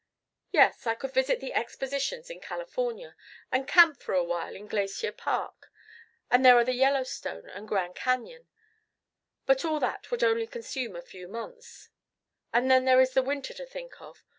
"Yes, I could visit the Expositions in California, and camp for a while in Glacier Park, and there are the Yellowstone and Grand Cañon but all that would only consume a few months and then there is this winter to think of.